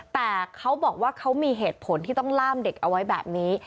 แต่เขาบอกว่าเขามีเหตุผลที่ต้องล่ามเด็กเอาไว้แบบนี้